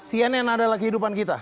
cnn adalah kehidupan kita